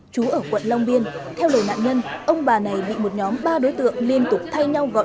chú ở quận long biên theo lời nạn nhân ông bà này bị một nhóm ba đối tượng liên tục thay nhau gọi